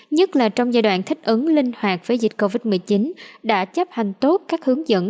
nhất là trong giai đoạn thích ứng linh hoạt với dịch covid một mươi chín đã chấp hành tốt các hướng dẫn